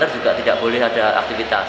juga tidak boleh ada aktivitas